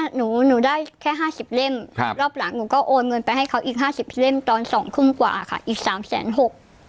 หนูหนูได้แค่ห้าสิบเล่มครับรอบหลังหนูก็โอนเงินไปให้เขาอีกห้าสิบเล่มตอนสองทุ่มกว่าค่ะอีกสามแสนหก